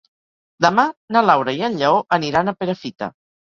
Demà na Laura i en Lleó aniran a Perafita.